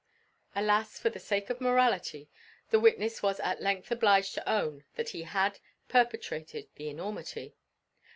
Alas for the sake of morality, the witness was at length obliged to own that he had perpetrated the enormity.